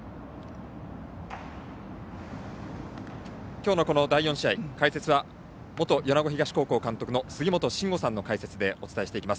今日の第４試合、解説は元米子東高校監督杉本真吾さんの解説でお伝えしていきます。